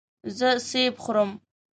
زه سیب خورم.